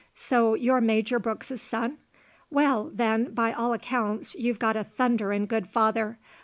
So you're Major Brooks's son? Well, then, by all accounts you've got a thunderin' good father.